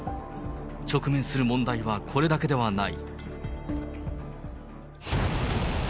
直面する問題はこれだけではない。